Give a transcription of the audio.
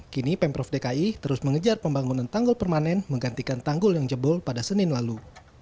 kini pemprov dki terus mengejar pembangunan tanggul permanen menggantikan tanggul yang jebol pada senin lalu